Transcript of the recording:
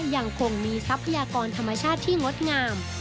ยังคงมีทรัพยากรธรรมชาติที่งดงาม